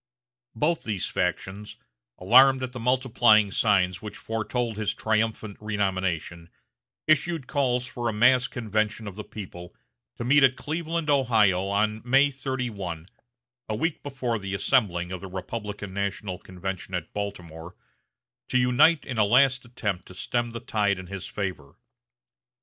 Both these factions, alarmed at the multiplying signs which foretold his triumphant renomination, issued calls for a mass convention of the people, to meet at Cleveland, Ohio, on May 31, a week before the assembling of the Republican national convention at Baltimore, to unite in a last attempt to stem the tide in his favor.